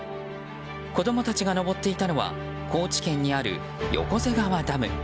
子供たちが登っていたのは高知県にある横瀬川ダム。